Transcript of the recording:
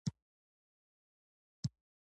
• لمر د سیارې ځمکې لپاره سرچینه ده.